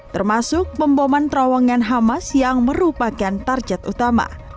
termasuk pemboman terowongan hamas yang merupakan target utama